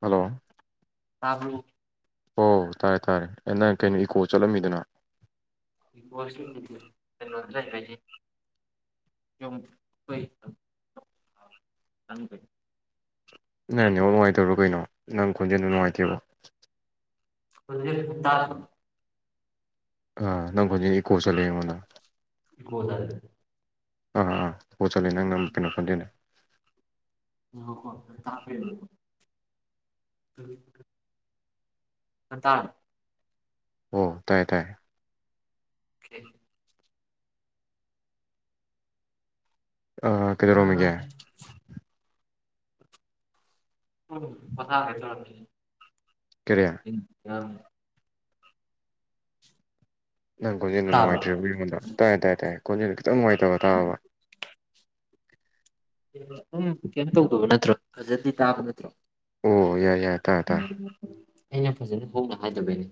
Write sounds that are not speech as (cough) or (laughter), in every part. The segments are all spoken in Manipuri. ꯍꯜꯂꯣ ꯇꯥꯕ꯭ꯔꯣ ꯑꯣ ꯇꯥꯔꯦ ꯇꯥꯔꯦ ꯑꯦ ꯅꯪ ꯀꯩꯅꯣ ꯏꯀꯣ ꯆꯠꯂꯝꯃꯤꯗꯨꯅ ꯗ (inaudible) ꯅꯪ ꯅꯦꯠꯋꯥꯔꯛ ꯅꯨꯡꯉꯥꯏꯇꯕ꯭ꯔꯣ ꯀꯩꯅꯣ ꯅꯪ ꯈꯣꯟꯖꯦꯜꯗꯨ ꯅꯨꯡꯉꯥꯏꯇꯦꯕꯣ ꯍꯧ ꯇ (inaudible) ꯑꯥ ꯅꯪ ꯈꯣꯟꯖꯦꯟꯁꯦ ꯏꯀꯣ ꯆꯠꯂꯦ ꯑꯩꯡꯉꯣꯟꯗ ꯏ ꯍꯗꯦ (inaudible) ꯑꯥ ꯑꯥ ꯏꯀꯣ ꯆꯠꯂꯦ ꯅꯪ ꯅꯪ ꯀꯩꯅꯣ ꯈꯣꯟꯖꯦꯟꯗꯣ ꯉꯥꯏꯈꯣꯀꯣ ꯇꯕ꯭ꯔꯥ ꯌꯦꯡꯉꯣ (inaudible) ꯑꯇꯥꯡ ꯑꯣ ꯇꯥꯏꯌꯦ ꯇꯥꯏꯌꯦ ꯑꯣꯀꯦ ꯀꯩꯗꯧꯔꯣꯝꯃꯤꯒꯦ ꯁꯨꯝ ꯄꯣꯊꯥꯒꯦ ꯇꯧꯔꯝꯃꯤꯅꯦ ꯀꯔꯤ ꯑ (inaudible) ꯅꯪ ꯈꯣꯟꯖꯦꯜꯗꯨ ꯇꯥꯕ꯭ꯔꯣ ꯅꯨꯡꯉꯥꯏꯇ꯭ꯔꯦꯕꯨ ꯑꯩꯉꯣꯟꯗ ꯇꯥꯏ ꯇꯥꯏ ꯇꯥꯏꯌꯦ ꯈꯣꯟꯖꯦꯜꯗꯣ ꯈꯤꯇꯪ ꯅꯨꯡꯉꯥꯏꯇꯕ ꯇꯥꯕ ꯎ (inaudible) ꯇꯧꯗꯕ ꯅꯠꯇ꯭ꯔꯣ ꯐꯖꯟꯅꯗꯤ ꯇꯥꯕ ꯅꯠꯇ꯭ꯔꯣ ꯑꯣ ꯌꯥꯏꯔꯦ ꯌꯥꯏꯔꯦ ꯎꯝ (inaudible) ꯑꯩꯅ ꯐꯖꯅ ꯍꯧꯅ ꯍꯥꯏꯗꯕꯩꯅꯦ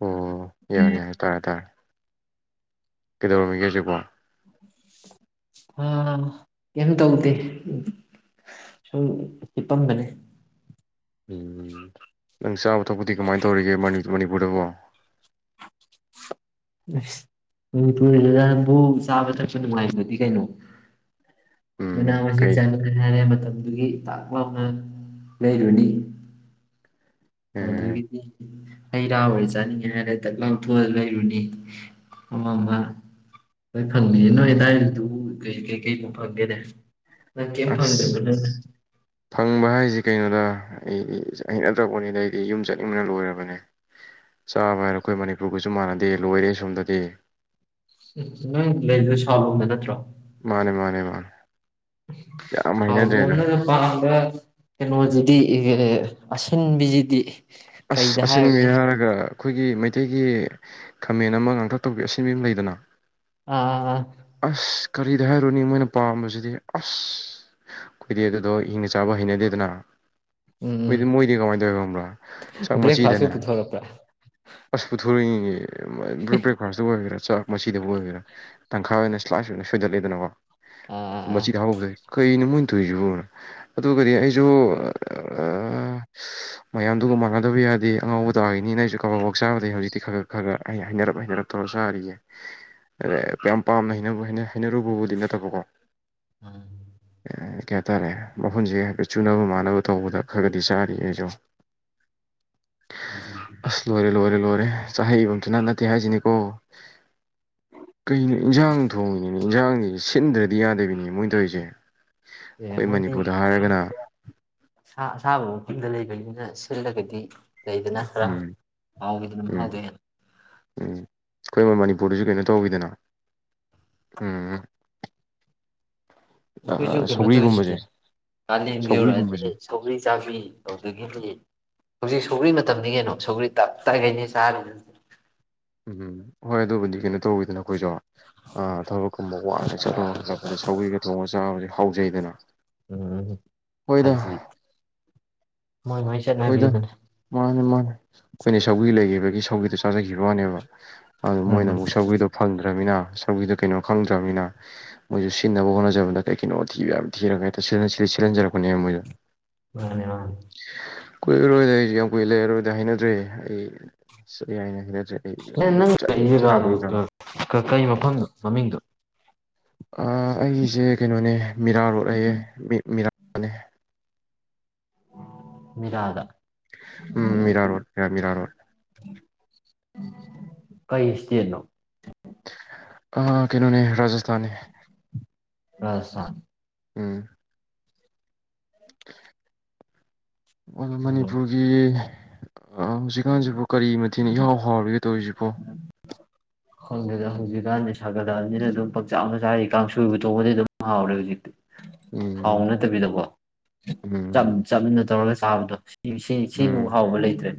ꯑꯣ ꯌꯥꯔꯦ ꯌꯥꯔꯦ ꯇꯥꯔꯦ ꯇꯥꯔꯦ ꯀꯩꯗꯧꯔꯝꯃꯤꯒꯦ ꯍꯧꯖꯤꯛꯄꯨ ꯑ ꯀꯩꯝ ꯇꯧꯗꯦ ꯁꯨꯝ ꯍꯤꯞꯄꯝꯕꯅꯦ ꯎꯝ ꯅꯪ ꯆꯥꯕ ꯊꯛꯄꯗꯤ ꯀꯃꯥꯏꯅ ꯇꯧꯔꯤꯒꯦ ꯃꯅꯤꯄꯨꯔꯗꯕꯨ ꯑꯁ ꯃꯅꯤꯄꯨꯔꯗꯕꯨ ꯆꯥꯕ ꯊꯛꯄ ꯅꯨꯡꯉꯥꯏꯕꯗꯤ ꯀꯩꯅꯣ ꯃꯅꯥ ꯎꯝ ꯃꯁꯤꯡ ꯀꯩ ꯆꯥꯟꯅꯗꯅꯤ ꯍꯥꯏꯔꯦ ꯃꯇꯝꯗꯨꯒꯤ ꯇꯥꯛꯂꯝ ꯂꯩꯔ ꯔꯅꯤ ꯑꯦ ꯑꯗꯒꯤꯗꯤ ꯑꯩꯔꯥ ꯍꯔꯦ ꯆꯥꯅꯤꯡꯉꯦ ꯍꯥꯏꯔꯦ ꯗꯛ ꯂꯥꯎꯊꯣꯛꯑ ꯂꯩꯔꯨꯅꯤ ꯑꯃ ꯑꯃ ꯍꯣꯏ ꯐꯪꯉ ꯅꯣꯏ ꯑꯦꯗꯥꯏꯗꯨ ꯀ ꯀꯩ ꯀꯩꯅꯣ ꯐꯪꯒꯦꯅꯦ ꯅꯪ ꯀꯩꯝ ꯐꯪꯗ꯭ꯔꯕ ꯑꯁ ꯅꯪ ꯐꯪꯕ ꯍꯥꯏꯁꯤ ꯀꯩꯅꯣꯗ ꯑꯩꯗꯤ ꯑ ꯅꯠꯇ꯭ꯔꯄꯅꯤꯗ ꯑꯩꯗꯤ ꯌꯨꯝ ꯆꯠꯅꯤꯡꯕꯅ ꯂꯣꯏꯔꯕꯅꯦ ꯆꯥꯕ ꯍꯥꯏꯔ ꯑꯩꯈꯣꯏ ꯃꯅꯤꯄꯨꯔꯒꯁꯨ ꯃꯥꯟꯅꯗꯦ ꯂꯣꯏꯔꯦ ꯁꯣꯝꯗꯗꯤ ꯎ ꯎ ꯂꯩꯗ ꯁꯥꯂꯣꯝꯗ ꯅꯠꯇ꯭ꯔꯣ ꯃꯥꯅꯦ ꯃꯥꯅꯦ ꯃꯥꯅꯦ ꯌꯥꯝ ꯍꯩꯅꯗ꯭ꯔꯦꯗ ꯍꯟꯅ ꯆꯄꯥꯥꯡꯝꯕ ꯀꯩꯅꯣꯁꯤꯗꯤ ꯑꯟꯕꯤꯁꯤꯗꯤ ꯑꯁ ꯑꯁꯤꯟꯕꯤ ꯍꯥꯏꯔꯒ ꯑꯩꯈꯣꯏꯒꯤ ꯃꯩ ꯑꯇꯩꯒꯤ ꯈꯃꯦꯟ ꯑꯃ ꯉꯥꯛꯇ ꯇꯧꯕꯤ ꯁꯤꯃꯤ ꯑꯃ ꯂꯩꯗꯅ ꯑꯥ ꯑꯥ ꯑꯁ ꯀꯔꯤꯗ ꯍꯥꯏꯔꯨꯅꯤ ꯃꯣꯏꯅ ꯄꯥꯝꯕꯁꯤꯗꯤ ꯑꯁ ꯀꯨꯏꯗꯦ ꯑꯗꯨꯗꯣ ꯍꯪꯅ ꯆꯥꯕ ꯍꯩꯅꯗꯦꯗꯅ ꯎꯝ ꯣꯏꯗꯤ ꯃꯣꯏꯗꯤ ꯀꯃꯥꯏꯅ ꯇꯧꯋꯤ ꯈꯕ꯭ꯔꯥ ꯆꯥꯛ ꯃꯆꯤꯗꯅꯦ ꯕ꯭ꯔꯦꯛꯐꯥꯁꯀ ꯄꯨꯊꯣꯔꯛꯄ꯭ꯔꯥ ꯑꯁ ꯄꯨꯊꯣꯔꯛꯏ ꯕꯦꯛꯐꯥꯁꯇꯨ ꯑꯣꯏꯒꯦꯠ ꯃꯁꯤꯗꯕꯨ ꯑꯣꯏꯕꯤꯔꯥ ꯇꯪꯈꯥꯏ ꯑꯣꯏꯅ ꯁꯂꯥꯛꯁꯨꯅ ꯁꯣꯏꯗꯠꯂꯂꯤꯗꯅꯀꯣ ꯑꯥ ꯑꯥ ꯃꯆꯤ ꯊꯍꯧꯕꯁꯦ ꯀꯩꯩꯅ ꯃ ꯑꯗꯨꯏꯁꯤꯕꯨ ꯑꯗꯨꯒꯗꯤ ꯑꯩꯁꯨ ꯃꯌꯥꯝꯗꯨꯒ ꯃꯥꯟꯅꯗꯕ ꯌꯥꯗꯦ ꯑꯉꯥꯎꯕ ꯇꯥꯈꯤꯅꯤꯅ ꯑꯩꯁꯨ ꯀꯕꯥꯔꯋꯥꯛ ꯆꯥꯕꯗꯒꯤꯩ ꯍꯧꯖꯤꯛꯇꯤ ꯈꯔ ꯈ ꯈꯔ ꯑꯩ ꯍꯩꯅꯔꯞ ꯍꯩꯅꯔꯞ ꯇꯧꯔ ꯆꯥꯔꯤꯌꯦ ꯑꯗ ꯌꯥꯝ ꯄꯥꯝꯅ ꯍꯩꯅꯔꯨꯕꯕꯨꯗꯤ ꯅꯠꯇꯕꯀꯣ ꯑꯝ ꯀꯩ ꯍꯥꯏꯇꯥꯔꯦ ꯃꯈꯨꯟꯁꯦ ꯍꯥꯏꯐꯦꯠ ꯆꯨꯅꯕ ꯃꯥꯟꯅꯕ ꯇꯧꯕꯗ ꯈꯔꯒꯗꯤ ꯆꯥꯔꯤ ꯑꯩꯁꯨ ꯑꯗꯨ ꯑꯁ ꯂꯣꯏꯔꯦ ꯂꯣꯏꯔꯦ ꯂꯣꯏꯔꯦ ꯆꯍꯩꯕꯝꯇꯅ ꯅꯛ ꯇꯁꯤꯅꯤꯀ ꯀꯩꯅꯣ ꯏꯟꯖꯥꯡ ꯊꯣꯡꯉꯤꯅꯤꯅ ꯏꯟꯖꯥꯡꯁꯤ ꯁꯤꯟꯗ꯭ꯔꯗꯤ ꯌꯥꯗꯕꯤꯅꯦ ꯃꯣꯏ ꯇꯧꯔꯤꯁꯦ ꯑꯦ ꯑꯩꯈꯣꯏ ꯃꯣꯏꯗꯤ ꯃꯅꯤꯄꯨꯔꯗ ꯍꯥꯏꯔꯒꯅ ꯃꯐꯝꯗꯨꯗ ꯁꯥꯕꯨ ꯌꯨꯝꯗ ꯂꯩꯕꯅꯤꯅ ꯁꯤꯜꯂꯒꯗꯤ ꯂꯩꯗꯅ ꯈꯔ ꯎꯝ ꯃꯍꯥꯎꯈꯤꯗꯅꯝ ꯎꯝ ꯍꯥꯎꯗꯣꯛꯦ ꯎꯝ ꯑꯩꯈꯣꯏ ꯃꯣꯏ ꯃꯅꯤꯄꯨꯔꯗꯁꯨ ꯀꯩꯅꯣ ꯇꯧꯋꯤꯗꯅ ꯎꯝ ꯎ ꯑꯩꯈꯣꯏꯁꯨ ꯀꯩꯅꯣ ꯇꯧꯔꯤꯁꯤꯗꯤ ꯀꯥꯂꯦꯟꯒꯤꯧꯔꯛꯑꯗꯤ ꯁꯧꯒ꯭ꯔꯤꯒꯨꯝꯕꯁꯦ ꯁꯧꯕꯔꯤ ꯆꯥꯕꯤ ꯇꯧꯗꯒꯤꯗꯤ ꯍꯧꯖꯤꯛ ꯁꯧꯒ꯭ꯔꯤ ꯃꯇꯝꯅꯤ ꯀꯩꯅꯣ ꯁꯧꯒ꯭ꯔꯤ ꯇꯞ ꯇꯈꯩꯅꯦ ꯆꯥꯕꯗ ꯍꯧ ꯎꯝ ꯍꯣꯏ ꯑꯗꯨꯕꯨꯗꯤ ꯀꯩꯅꯣ ꯇꯧꯕꯤꯗꯅ ꯑꯩꯈꯣꯏꯁꯨ ꯊꯕꯛꯀꯨꯝꯕ ꯋꯥꯅ ꯆꯠꯂꯣ ꯍꯜꯂꯛꯄꯗ ꯁꯧꯤꯒ ꯊꯣꯡꯕ ꯆꯥꯕꯁꯦ ꯍꯥꯎꯖꯩꯗꯅ ꯎꯝ ꯍꯣꯏꯗ ꯍꯥꯏꯗꯤ ꯃꯣꯏ ꯃꯣꯏ ꯆꯠꯅꯕꯤꯗꯨꯅꯤ ꯃꯥ ꯑꯩꯈꯣꯏꯅ ꯁꯧꯒꯤ ꯂꯩꯈꯤꯕꯒꯤ ꯁꯧꯒꯤꯗꯨꯣ ꯆꯥꯖꯈꯤꯕ ꯋꯥꯅꯦꯕ ꯑꯗꯨ ꯃꯣꯏꯅ ꯎꯝ ꯑꯃꯨꯛ ꯁꯧꯒꯤꯗꯣ ꯐꯪꯗ꯭ꯔ ꯗ꯭ꯔꯕꯅꯤꯅ ꯁꯧꯒ꯭ꯔꯤꯗꯨ ꯀꯩꯅꯣ ꯗꯪꯗ꯭ꯔꯕꯅꯤꯅ ꯃꯣꯏꯁꯨ ꯁꯤꯟꯅꯕ ꯍꯣꯠꯅꯖꯕꯗ ꯀꯩ ꯀꯩꯅꯣ ꯊꯤꯕ ꯌꯥꯕ ꯊꯤꯔꯒ ꯍꯦꯛꯇ ꯁꯤꯜꯂ ꯁꯤꯜꯍꯟꯖꯔꯛꯄꯅꯦꯕ ꯃꯣꯏꯅꯥ ꯃꯥꯅꯦ ꯃꯥꯅꯦ (unintelligible) ꯀꯨꯏꯔꯔꯣꯏꯗ ꯑꯩꯀꯩꯁꯨ ꯌꯥꯝ ꯀꯨꯏꯅ ꯂꯩꯔꯔꯣꯏꯗ ꯍꯥꯏꯅꯗ꯭ꯔꯦ ꯑꯩ ꯁꯤꯗ (unintelligible) ꯍꯩꯅꯗ꯭ꯔꯦ ꯑꯩ ꯍꯦ ꯌꯨꯝ ꯅꯪ ꯂꯩꯔꯤ ꯆꯠꯅꯤꯡ ꯏꯁꯥ ꯖꯒꯥꯗꯨ ꯉꯝꯗ꯭ꯔꯕꯅꯤ ꯀ ꯀꯩ ꯃꯐꯝꯅꫭ ꯃꯃꯤꯡꯗꯣ ꯑ ꯑꯩꯒꯤꯁꯦ ꯀꯩꯅꯣꯅꯦ ꯃꯤꯔꯥ ꯔꯣꯠ ꯍꯥꯏꯌꯦ ꯃꯤꯔꯥ ꯑꯅꯦ ꯃꯤꯔꯥꯗ ꯎꯝ ꯃꯤꯔꯥ ꯔꯣꯠ ꯍꯥ ꯃꯤꯔꯥ ꯔꯣꯠ ꯀꯩ ꯁ꯭ꯇꯦꯠꯅꯣ ꯑ ꯀꯩꯅꯣꯅꯦ ꯔꯥꯖꯁꯊꯥꯟꯅꯦ ꯔꯥꯖꯁꯊꯥꯟ ꯎꯝ (unintelligible) ꯃꫭꯏꯅ ꯎꯝ ꯃꯅꯤꯄꯨꯔꯒꯤ ꯍꯧꯖꯤꯛꯀꯥꯟꯁꯤꯕꯨ ꯀꯔꯤ ꯃꯊꯦꯟꯅ ꯏꯍꯥꯎ ꯍꯥꯎꯔꯒꯦ ꯇꯧꯔꯤꯁꯤꯕꯣ ꯈꯪꯗꯦꯗ ꯍꯧꯖꯤꯛꯀꯥꯟꯗꯤ ꯁꯥꯒꯠꯂꯛ ꯑꯕꯅꯤꯅ ꯑꯗꯨꯝ ꯄꯥꯛꯆꯥꯅ ꯃꯆꯥꯔꯤ ꯀꯥꯡꯁꯣꯏꯕꯨ ꯇꯣꯡꯉꯗꯤ ꯑꯗꯨꯝ ꯍꯥꯎꯔꯦ ꯍꯧꯖꯤꯛꯇꯤ ꯊꯥꯎ ꯎꯝ ꯅꯠꯇꯕꯤꯗꯀꯣ ꯆꯝ ꯎꯝ ꯆꯝꯅ ꯇꯧꯔꯒ ꯇꯥꯕꯗ ꯁꯤ ꯁꯤ ꯁꯤꯃꯨꯛ ꯎꯝ ꯍꯥꯎꯕ ꯂꯩꯇ꯭ꯔꯦ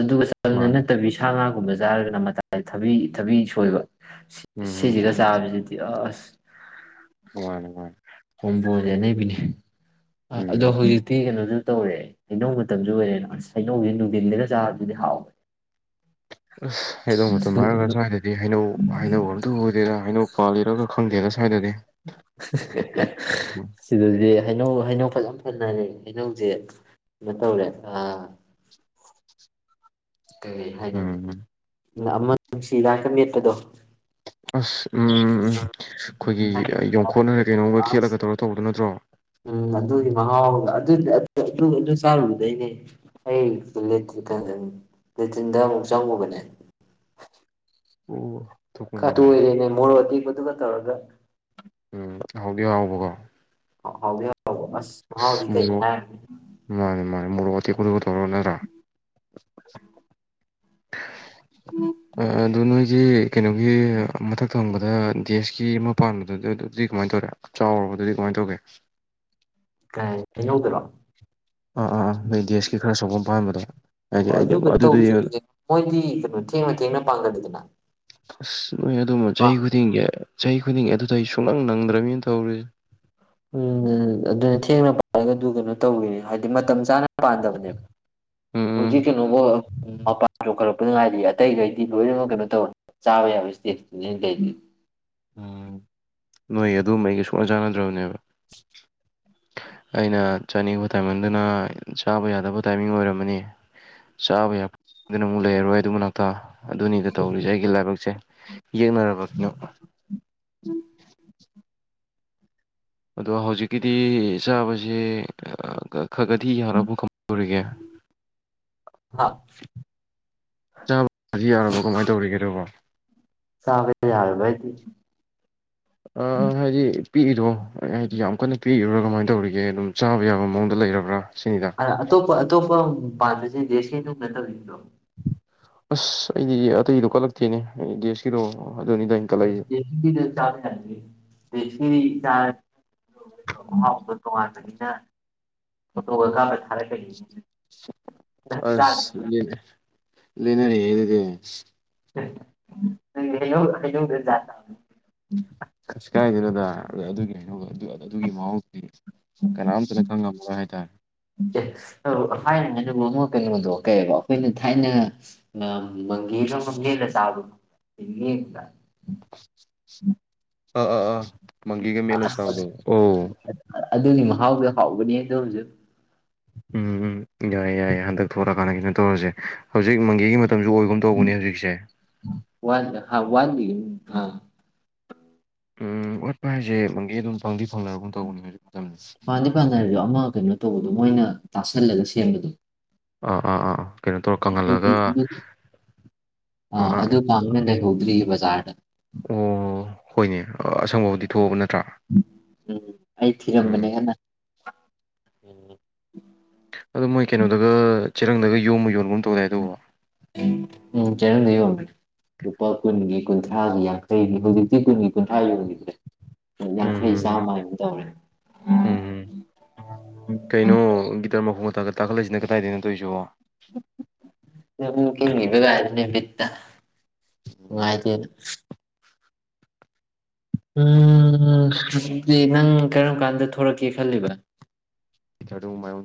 ꯑꯗꯨꯒ ꯆꯝꯅ ꯃꯥꯅꯦ ꯅꯠꯇꯕꯤ ꯁꯥ ꯉꯥꯒ ꯒꯨꯝꯕ ꯆꯥꯔꯒꯅ ꯃꯇꯥꯏ ꯊꯕꯤ ꯊꯕꯤ ꯁꯣꯏꯕ ꯁꯤ ꯎꯝ ꯁꯤꯁꯤꯒ ꯆꯥꯕꯁꯤꯗꯤ ꯏ ꯑꯁ ꯋꯥꯅꯦ ꯃꯥꯅꯦ ꯍꯣꯕꯨ ꯍꫭꯔꯗꯤ ꯑꯅꯩꯕꯤꯅꯦ ꯑ ꯑꯗꯣ ꯎꯝ ꯍꯧꯖꯤꯛꯇꯤ ꯀꯩꯅꫭꯖꯨ ꯇꯧꯔꯦ ꯍꯩꯅꯧ ꯃꯇꯝꯖꯨ ꯑꯣꯏꯔꯦ ꯑꯁ ꯍꯩꯅꯧꯁꯤ ꯅꯨꯡꯗꯤꯟꯗꯒ ꯆꯥꯕꯗꯨꯗꯤ ꯍꯥꯎꯋꯦ ꯑꯁ ꯍꯩꯅꯧ ꯃꯇꯝ ꯍꯥꯏꯔꯒ ꯁ꯭ꯋꯥꯏꯗꯗꯤ ꯍꯩꯅꯧ ꯍꯩꯅꯧ ꯑꯇꯕꯨ ꯎꯗꯦꯗ ꯍꯩꯅꯧ ꯄꯥꯜꯂꯤꯔꯥ ꯒ ꯈꯪꯗꯦꯗ ꯁꯋ꯭ꯥ ꯁꯤ ꯍ ꯍ ꯍ ꯁꯤꯗꯗꯤ ꯍꯩꯅꯧ ꯑ ꯍꯩꯅꯧ ꯐꯖꯅ ꯄꯨꯟꯅꯔꯦ ꯍꯩꯅꯧꯖꯦ ꯀꯩꯅꯣ ꯇꯧꯔꯦ ꯑ ꯀꯩꯩ ꯍꯥꯏꯒ ꯎꯝ ꯑꯃ ꯅꯨꯡꯁꯤꯗꯀ ꯃꯦꯠꯄꯗꯣ ꯑꯁ ꯎꯝꯝ ꯎꯝ ꯑꯩꯈꯣꯏꯒꯤ ꯌꯣꯡꯈꯣꯠꯅꯈꯔꯦ ꯀꯩꯅꯣꯝꯒ ꯈꯦꯠꯂꯒ ꯇꯧꯔ ꯇꯧꯕꯗꯨꯣ ꯅꯠꯇ꯭ꯔꯣ ꯎꯝ ꯑꯗꯨꯒꯤ ꯃꯍꯥꯎ ꯑꯗꯨ ꯆꯥꯔꯨꯗꯩꯅꯦ ꯑꯩ ꯂꯦꯇ꯭ꯔꯤꯟꯗ ꯑꯃꯨꯛ ꯆꯪꯉꯨꯕꯅꯦ ꯑꯣ ꯀꯥ ꯇ ꯊꯣꯛꯄꯅꯤꯗ ꯑꯣꯏꯔꯅꯦ ꯃꯣꯔꯗꯤꯗꯨ ꯀꯊ ꯑꯣꯏꯔꯒ ꯎꯝ ꯍꯗꯤꯣ ꯍꯕꯀꯣ ꯍ ꯌꯥ ꯑꯣꯁ ꯋꯥꯥꯎꯗꯤ ꯀꯩ ꯍꯥꯏ ꯇ ꯀ ꯇꯂꯣꯅꯔꯥ ꯑ ꯑꯗꯨꯅꯣꯏ ꯒꯤ ꯀꯩꯅꯣꯒꯤ ꯃꯊꯛ ꯊꯣꯡꯕꯗ ꯑꯗ ꯗꯦꯁꯀꯤ ꯑꯃ ꯄꯥꯟꯕꯗꯨꯗꯤ ꯑꯗꯨꯗꯤ ꯀꯃꯥꯏꯅ ꯇꯧꯔꯦ ꯆꯥꯎꯔꯕ ꯑꯗꯨꯗꯤ ꯀꯃꯥꯏꯅ ꯇꯧꯒꯦ ꯀꯉꯧꯗꯔꯣ ꯑꯥ ꯑꯥ ꯑꯥ ꯅꯣꯏ ꯗꯦꯁꯀꯤ ꯈꯔ ꯁꯣꯄꯐꯝ ꯄꯥꯟꯕꯥꯝꯕꯗꯣ ꯍꯥꯏꯗꯤ ꯑꯣ ꯑꯩꯗꯤ ꯑꯗꯨ ꯀꯩꯅꯣ ꯑꯗꯨꯗ ꯌꯦꯡꯉꯗ ꯇꯧꯗ꯭ꯔꯤꯅꯦ ꯃꯣꯏꯗꯤ ꯀꯩꯅꯣ ꯊꯦꯡꯅ ꯊꯦꯡꯅ ꯄꯥꯡꯒꯜꯂꯤꯗꯅ ꯈꯨꯁ ꯅꯣꯏ ꯑꯗꯨꯃ ꯆꯍꯤ ꯈꯨꯗꯤꯡꯒꯤ ꯆꯍꯤ ꯈꯨꯗꯤꯡ ꯑꯗꯨꯗ ꯑꯩ ꯁꯨꯡꯂꯪ ꯅꯪꯗ꯭ꯔꯕꯅꯤꯅ ꯇꯧꯔꯤ ꯎꯝ ꯎ ꯑꯗꯨꯅ ꯊꯦꯡꯅ ꯄꯥꯏꯔꯒ ꯑꯗꯨ ꯀꯩꯅꯣ ꯇꯧꯈꯤꯅꯦ ꯍꯥꯏꯗꯤ ꯃꯇꯝ ꯆꯥꯅ ꯄꯥꯟꯗꯕꯅꯦꯕ ꯎꯝ ꯎꯝ ꯍꯧꯖꯤ ꯀ ꯅꯃꯣ ꯄ ꯈꯔ ꯑꯗꯨꯅꯨꯡꯉꯥꯏꯔꯤ ꯑꯇꯩꯒꯩꯗꯤ ꯂꯣꯏꯅꯃꯛ ꯀꯩꯅꯣ ꯇꯧꯅꯤ ꯆꯥꯕ ꯌꯥꯕ ꯏꯁꯇꯦ ꯂꯣꯏ ꯂꯩ ꯄꯨꯣ ꯆꯥꯟꯅꯗ꯭ꯔꯕꯅꯦꯕ (inaudible) ꯑꯩꯅ ꯆꯥꯅꯤꯡꯕ ꯇꯥꯏꯃꯟꯗꯨꯅ ꯆꯥꯕ ꯌꯥꯗꯕ ꯇꯥꯏꯃꯤꯡ ꯑꯣꯏꯔꯝꯃꯅꯤ ꯆꯥꯕ ꯌꯥꯗꯨꯅ ꯑꯃꯨꯛ ꯂꯩꯔꯔꯣꯏ ꯑꯗꯨ ꯃꯅꯥꯛꯇ ꯑꯗꯨꯅꯤꯗ ꯇꯧꯔꯤꯁꯦ ꯑꯩꯒꯤ ꯂꯥꯏꯕꯛꯁꯦ ꯌꯦꯛꯅꯔꯕ ꯀꯅꯣ ꯎꯝ ꯑꯗꯣ ꯍꯧꯖꯤꯛꯀꯤꯗꯤ ꯆꯥꯕꯕꯁꯤꯦ ꯈꯛꯒꯗꯤ ꯌꯥꯕꯨ ꯈꯪꯗꯔꯤꯒꯦ ꯆꯥꯕꯗꯤ ꯌꯥꯔꯕꯣ ꯀꯃꯥꯏꯅ ꯇꯧꯔꯤꯒꯦ ꯇꯧꯕꯣ ꯆꯥꯕ ꯌꯥꯔꯕ ꯍꯥꯏꯗꯤ ꯑꯥ ꯍꯥꯏꯖꯤ ꯄꯤꯛꯏꯗꯣ ꯍꯥꯏꯗꯤ ꯌꯥꯝ ꯀꯟꯅ ꯄꯤꯛꯏꯔꯨꯔꯥ ꯀꯃꯥꯏꯅ ꯇꯧꯔꯤꯒꯦ ꯑꯗꯨꯝ ꯆꯥꯕ ꯌꯥꯕ ꯃꯑꯣꯡꯗ ꯂꯩꯔꯕ꯭ꯔꯥ ꯁꯤꯅꯤꯗ ꯑ ꯑꯇꯣꯞꯄ ꯑꯇꯣꯞꯄ ꯄꯗꯁꯤ ꯗꯦꯀꯤ ꯑꯦꯃꯨ ꯅꯠꯇꯕꯤ꯭ꯔꯣ ꯑꯁ ꯑꯩꯗꯤ ꯑꯇꯩꯗꯣ ꯀꯜꯂꯛꯇꯦꯅꯦ ꯑꯩ ꯗꯦꯁꯀꯤꯗꯣ ꯑꯗꯨꯅꯤꯗ ꯑꯩꯅ ꯀꯠꯂꯛꯏꯁꯦ ꯗꯦ ꯆꯥ ꯍꯥꯏ ꯗꯦꯁꯒꯤ ꯃꯍꯥꯎꯗ ꯇꯣꯉꯥꯟꯕꯅꯤꯅ ꯐꯣꯇꯣꯒ ꯀꯥꯅ ꯊꯥꯔꯛꯀꯒꯤꯅꯤꯅ ꯑꯁ ꯌꯦꯅ ꯂꯩꯅꯔꯦ ꯍꯗꯤꯗꯤ (inaudible) ꯐꯁ ꯀꯏꯗꯒꯤꯅꯤꯗ ꯑꯗꯨꯒꯤ ꯍꯩꯅꯧ ꯑꯗꯨꯒꯤ ꯃꯍꯡꯗꯨꯗꯤ ꯀꯅꯥꯝꯇꯅ ꯈꯪꯉꯝꯃꯣꯏ ꯍꯥꯏꯇꯥꯔꯦ ꯊꯥꯏꯅꯅ ꯑꯗꯨꯨꯝ ꯑꯃꯛ ꯀꯩꯅꯣꯗꯣ ꯀꯩꯕ ꯑꯩꯈꯣꯏꯅ ꯊꯥꯏꯅ ꯃꯪꯒꯦꯗ ꯃꯪꯒꯦꯜꯗ ꯆꯥꯕꯗꯣ ꯌꯦꯡꯕꯗ (inaudible) ꯑꯥ ꯑꯥ ꯑꯥ ꯃꯪꯒꯤꯒ ꯑ ꯃꯦꯠꯂ ꯆꯥꯕꯗꯣ ꯑꯣ ꯑꯗꯨꯒꯤ ꯃꯍꯥꯎ ꯃꯍꯥꯎꯗ ꯍꯥꯎꯕꯅꯦꯗꯣ ꯖꯨ ꯎꯝ ꯎꯝ ꯌꯥꯏꯌꯦ ꯌꯥꯏꯌꯦ ꯍꯟꯗꯛ ꯊꯣꯛꯂꯛꯑꯀꯥꯟꯗ ꯀꯩꯅꯣ ꯇꯧꯔꯁꯦ ꯍꯧꯖꯤꯛ ꯃꯪꯒꯤꯒꯤ ꯃꯇꯝꯁꯨ ꯑꯣꯏꯐꯝ ꯇꯧꯕꯅꯦ ꯍꯧꯖꯤꯛꯁꯦ ꯏꯝꯐ ꯎꯝ ꯋꯥꯠꯄ ꯍꯥꯏꯁꯦ ꯃꯪꯒꯦ ꯑꯗꯨꯝ ꯐꯪꯗꯤ ꯐꯪꯅꯒꯨꯝ ꯇꯧꯕꯅꯤ ꯄꯥꯟꯗꯩ ꯐꯥꯗ ꯍꯥꯏꯔꯗꯣ ꯑꯃ ꯀꯩꯅꯣ ꯇꯧꯕꯗꯣ ꯃꯣꯏꯅ ꯇꯥꯁꯜꯂꯒ ꯁꯦꯝꯕꯗꯣ ꯑ ꯑꯥ ꯑꯥ ꯀꯩꯅꯣ ꯇꯧꯔ ꯑꯗꯨꯗꯤ ꯀꯪꯍꯜꯂꯒ ꯑꯗꯨꯗꯤ ꯑꯥ ꯑꯗꯨ ꯉꯥꯡꯅ ꯂꯩꯍꯧ ꯕꯥꯖꯥꯔ ꯗ ꯑꯣ ꯍꯣꯏꯅꯦ ꯑꯁꯪꯕꯕꯨꯗꯤ ꯊꯣꯛꯑꯕ ꯅꯠꯇꯦ ꯎꯝ ꯑꯩ ꯊꯤꯔꯝꯕꯅꯦ ꯀꯟꯅꯥ ꯎꯝ ꯑꯣꯗꯨ ꯃꯣꯏ ꯀꯩꯅꯣꯗꯨꯒ ꯆꯦꯔꯥꯪꯗꯒꯥ ꯌꯣꯝꯃ ꯌꯣꯟꯒꯨꯝ ꯇꯧꯗꯥꯏ ꯑꯗꯨꯕꯣ ꯎꯝ ꯆꯦꯔꯥꯪꯗ (inaudible) ꯂꯨꯄꯥ ꯀꯨꯪꯒꯤ ꯀꯨꯟꯊ꯭ꯔꯥꯒꯤ ꯌꯥꯡꯈꯩꯅꯤ ꯍꯧꯖꯤꯛꯇꯤ ꯀꯨꯟꯒꯤ ꯀꯨꯟꯊ꯭ꯔꯥ ꯌꯣꯟꯕ꯭ꯔꯦ ꯌꯟꯈꯩ ꯎꯝ ꯆꯝꯃꯥ ꯍꯥꯏꯒꯨꯝ ꯇꯧꯔꯦ꯫ ꯎꯝ ꯀꯥꯈꯠꯂꯏꯁꯤꯅ ꯀꯗꯥꯏꯗꯒꯤꯅꯣ ꯇꯧꯔꯤꯁꯤ ꯕ ꯀꯔꯅꯦ ꯄꯤꯠꯇ ꯉꯥꯏꯗ ꯎꯝ ꯍꯧꯖꯤꯗꯤ ꯅꯪ ꯀꯔꯝ ꯀꯥꯟꯗ ꯊꯣꯔꯛꯀꯦ ꯈꯜꯂꯤꯕ ꯄꯤꯊꯥꯗꯨ ꯃꯥꯏꯌꯣꯟ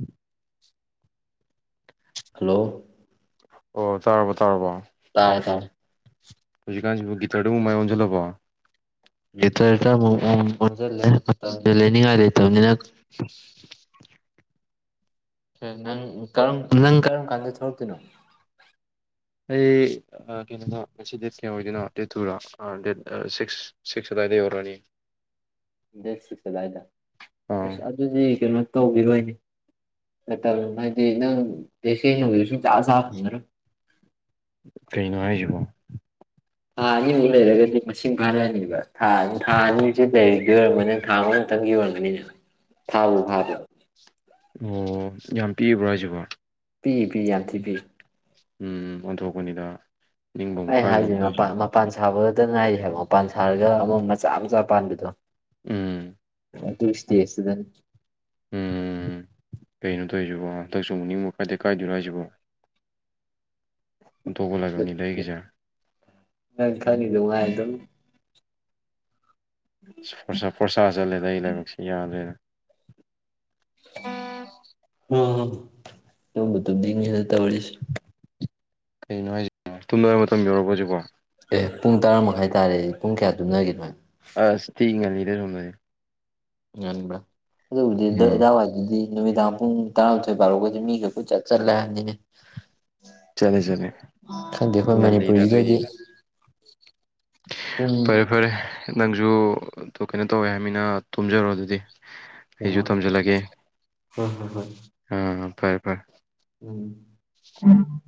ꯍꯜꯂꯣ ꯑꯣ ꯇꯥꯔꯕꯣ ꯇꯥꯔꯕꯣ ꯇꯥꯏꯦ ꯇꯥꯏꯦ ꯍꯧꯖꯤꯛꯥꯟꯁꯤꯕꯨ ꯒꯤꯇꯔꯗꯨꯕꯨ ꯃꯥꯏ ꯑꯣꯟꯁꯤꯜꯂꯛꯣ ꯏꯇ ꯃꯖ ꯂꯩꯅꯤꯉꯂꯦꯅꯤꯅ ꯅꯪ ꯀꯔꯝ ꯅꯪ ꯀꯔꯝ ꯀꯥꯟꯗ ꯊꯣꯛꯂꯛꯇꯣꯏꯅꯣ ꯑꯩ ꯀꯩꯅꯣꯗ ꯉꯁꯤ ꯗꯦꯠ ꯀꯌꯥ ꯑꯣꯏꯗꯣꯏꯅꯣ ꯗꯦꯠ ꯇꯨꯗ ꯗꯦꯠ ꯁꯤꯛꯁ ꯁꯤꯛꯁ ꯑꯗꯨꯋꯥꯏꯗ ꯌꯧꯔꯛꯑꯅꯤ ꯁꯁꯤꯁꯥꯏꯗ ꯑꯥ ꯑꯗꯨꯗꯤ ꯇꯧꯕꯤꯔꯣꯏꯅꯦ ꯃꯇꯝ ꯍꯥꯏꯗꯤ ꯅꯪ ꯇꯁꯦꯡꯅꯒꯤꯗ ꯁꯨꯡ ꯆ ꯆꯥ ꯐꯪꯗꯔ ꯀꯩꯅꯣ ꯍꯥꯏꯁꯤꯕꯣ ꯊꯥ ꯑꯅꯤꯃꯨꯛ ꯂꯩꯔꯒꯗꯤ ꯃꯁꯤꯡ ꯐꯥꯔꯑꯅꯦꯕ ꯊꯥ ꯊꯥ ꯑꯅꯤꯁꯤꯦ ꯂꯩꯔꯤꯗꯤ ꯑꯣꯏꯔꯝꯒꯅꯤꯅ ꯊꯥ ꯑꯃꯨꯛꯇꯪꯒꯤ ꯑꯣꯏꯔꯝꯒꯅꯤꯅꯦꯕ ꯊꯥꯕꯨ ꯐꯥꯕꯕ ꯑꯣ ꯌꯥꯝ ꯄꯤꯕ꯭ꯔꯣ ꯍꯥꯏꯁꯤꯕꯣ ꯄꯤ ꯄꯤ ꯌꯥꯟꯊꯤ ꯄꯤ ꯎꯝ ꯑꯣꯟꯊꯣꯛꯄꯅꯤꯗ ꯅꯤꯡꯕ ꯑꯃꯨꯛ ꯑꯩ ꯍꯥꯏꯖꯤ ꯀꯥꯏꯗ꯭ꯔꯕ ꯃꯄꯥ ꯇꯧꯔꯤꯁꯦ ꯃꯄꯥꯟ ꯁꯥꯕꯠ ꯑꯝꯇ ꯉꯥꯏꯔꯤ ꯍꯥꯏꯕ ꯃꯄꯥꯟ ꯁꯥꯔꯒ ꯑꯃ ꯃꯆꯥ ꯃꯆꯥ ꯄꯥꯟꯕꯗꯣ ꯎꯝ ꯇꯨꯁꯇꯤꯦꯗ ꯎꯝ ꯀꯩꯅꯣ ꯇꯧꯔꯤꯁꯤꯕꯣ ꯍꯟꯗꯛꯁꯨ ꯃꯛꯅꯤꯡꯕ ꯀꯥꯏꯗꯦ ꯀꯥꯏꯗꯣꯏꯔꯣ ꯍꯥꯏꯁꯤꯕꯣ ꯑꯣꯟꯊꯣꯛꯄ ꯂꯥꯏꯕꯛꯅꯤꯗ ꯑꯩꯒꯤꯁꯦ ꯅꯪ ꯊꯅꯤꯗꯗ ꯄꯣꯔꯁꯥ ꯆꯠꯂꯦꯗ ꯑꯩ ꯂꯥꯏꯕꯛꯁꯤ ꯌꯥꯗ꯭ꯔꯦꯅ ꯍ ꯇꯕꯨ ꯇꯗꯤꯅꯤ ꯅ ꯇ ꯑꯣꯏꯁꯤ ꯀꯩꯅꯣ ꯍꯥꯏꯁꯤ ꯇꯨꯝꯗ ꯃꯇꯝ ꯌꯧꯎꯔꯛꯄ ꯍꯧꯁꯤꯛꯕꯣ ꯑꯦ ꯄꯨꯡ ꯇꯔꯥꯃꯥꯏ ꯇꯥꯔꯦ ꯄꯨꯡ ꯀꯌꯥ ꯇꯨꯝꯅꯒꯅꯣ ꯍꯥꯏ ꯑꯁ ꯊꯤ ꯉꯅꯤꯗ ꯊꯣꯔꯦ ꯉꯟꯕ꯭ꯔꯥ ꯑꯗꯨꯕꯨꯗꯤ ꯎꯝ ꯑꯗꯥꯋꯥꯏꯗꯨꯗꯤ ꯅꯨꯃꯤꯗꯥꯡ ꯄꯨꯡ ꯇꯔꯥꯃꯥꯊꯣꯏ ꯕꯥꯔꯨꯒꯗꯤ ꯃꯤꯒ ꯄꯨꯣꯏꯠ ꯆꯠ ꯆꯜꯂꯦ ꯍꯥꯏꯕꯅꯤꯅꯦ ꯆꯠꯂꯦ ꯆꯠꯂꯦ ꯈꯪꯗꯦ ꯑꯩꯈꯣꯏ ꯉꯜꯂꯤꯗ ꯃꯅꯤꯄꯨꯔꯁꯤꯗꯗꯤ ꯑꯗꯨꯏꯅꯤꯗ ꯄꯨꯡ ꯐꯔꯦ ꯐꯔꯦ ꯅꯪ ꯁꯨ ꯀꯩꯅꯣ ꯇꯧꯋꯦ ꯍꯥꯏꯕꯃꯤꯅ ꯇꯨꯝꯖꯔꯣ ꯑꯗꯨꯗꯤ ꯍꯣ ꯑꯩꯁꯨ ꯍꯣ ꯊꯝꯖꯤꯜꯂꯒꯦ ꯍꯣꯏ ꯍꯣꯏ꯫ ꯑꯥ ꯐꯔꯦ ꯐꯔꯦ ꯎꯝ ꯎꯝ